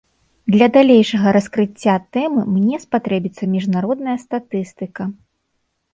Для далейшага раскрыцця тэмы мне спатрэбіцца міжнародная статыстыка.